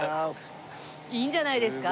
いいんじゃないですか？